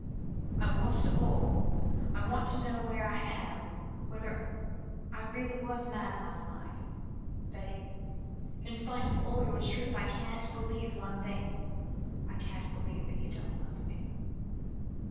"I want it all. I want to know where I am whether I really was mad last night. Betty in spite of all your truth I can't believe one thing. I can't believe that you don't love me."